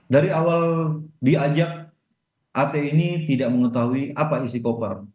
dari awal diajak at ini tidak mengetahui apa isi koper